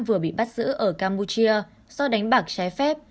vừa bị bắt giữ ở campuchia do đánh bạc trái phép